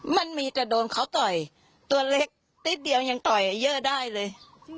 มันมีแต่โดนเขาต่อยตัวเล็กนิดเดียวยังต่อยเยอะได้เลย